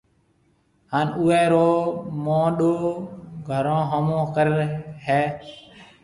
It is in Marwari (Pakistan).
ھان اوئيَ رو موھنڏو گھرون ھومو ڪريَ ھيََََ